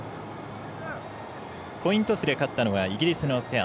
コイントスで勝ったのはイギリスのペア。